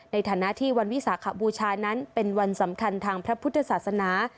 ในฐานะที่วันวิสาขบูชานั้นเป็นวันสำคัญทางพระพุทธศาสนา